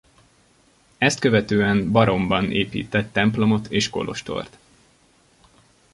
Ezt követően Baromban épített templomot és kolostort.